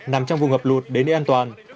nằm trong vùng ngập lụt đến nơi an toàn